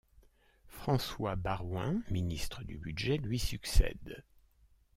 François Baroin, ministre du Budget, lui succède.